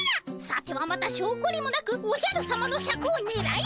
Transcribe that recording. さてはまたしょうこりもなくおじゃるさまのシャクをねらいおるのか！